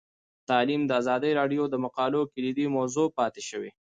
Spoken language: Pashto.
تعلیم د ازادي راډیو د مقالو کلیدي موضوع پاتې شوی.